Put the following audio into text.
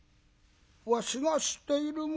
「わしが知っている者？